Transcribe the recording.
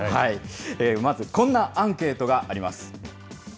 まずこんなアンケートがあります。